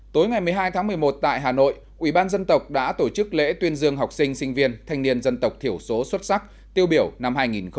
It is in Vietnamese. tối ngày một mươi hai tháng một mươi một tại hà nội ubnd đã tổ chức lễ tuyên dương học sinh sinh viên thanh niên dân tộc thiểu số xuất sắc tiêu biểu năm hai nghìn một mươi chín